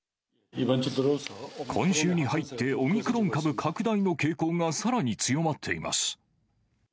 今週に入って、オミクロン株拡大の傾向がさらに強まっています。